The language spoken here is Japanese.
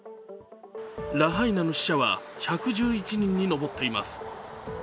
ラハイナの死者は１１１人に上っています。